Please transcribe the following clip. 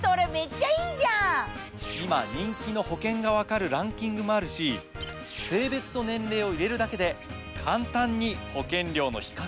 今人気の保険が分かるランキングもあるし性別と年齢を入れるだけで簡単に保険料の比較もできちゃうんです。